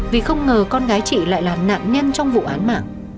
vì không ngờ con gái chị lại là nạn nhân trong vụ án mạng